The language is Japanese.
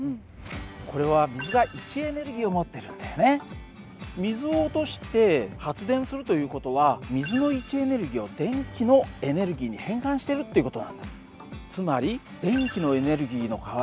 これは水を落として発電するという事は水の位置エネルギーを電気のエネルギーに変換しているっていう事なんだ。